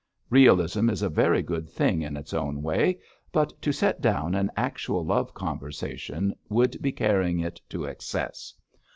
Realism is a very good thing in its own way, but to set down an actual love conversation would be carrying it to excess.